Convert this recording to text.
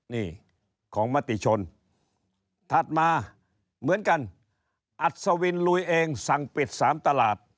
นี่ของมติชนถัดมาเหมือนกันอัศวินลุยเองสั่งปิด๓ตลาด